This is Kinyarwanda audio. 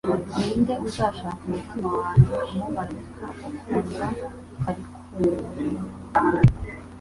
Ni nde uzashaka umutima wanjye Umumarayika ukundwa arikuramo